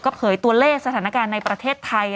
เผยตัวเลขสถานการณ์ในประเทศไทย